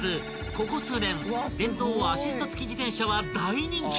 ここ数年電動アシスト付き自転車は大人気］